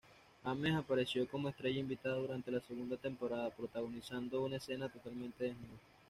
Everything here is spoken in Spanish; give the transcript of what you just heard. Ames apareció como estrella invitada durante la segunda temporada, protagonizando una escena totalmente desnudo.